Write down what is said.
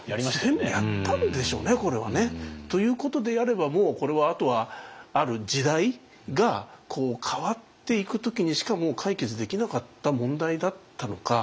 全部やったんでしょうねこれはね。ということであればもうこれはあとはある時代がこう変わっていく時にしか解決できなかった問題だったのか。